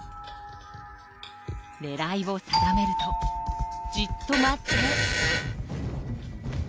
狙いを定めるとじっと待って。